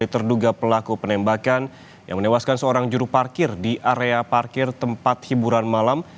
terduga pelaku penembakan yang menewaskan seorang juru parkir di area parkir tempat hiburan malam